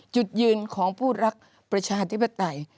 จุดยืนของผู้รักประชาธิปไตย